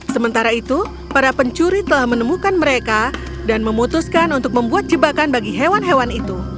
sementara itu para pencuri telah menemukan mereka dan memutuskan untuk membuat jebakan bagi hewan hewan itu